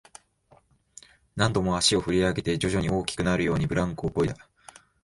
何度も足を振り上げて、徐々に大きくなるように、ブランコをこいだ